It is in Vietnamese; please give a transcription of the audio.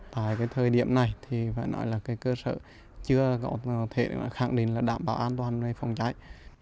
tại thời điểm này cơ sở chưa có thể khẳng định đảm bảo an toàn phòng cháy